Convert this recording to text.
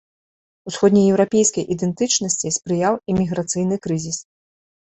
Усходнееўрапейскай ідэнтычнасці спрыяў і міграцыйны крызіс.